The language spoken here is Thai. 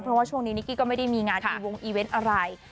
เพราะว่าช่วงนี้นิกกี้ก็ไม่ได้มีงานอีวงอีเวนต์อะไร